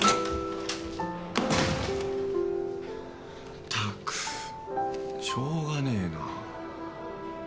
・ったくしょうがねえな。